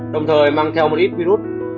đồng thời mang theo một ít virus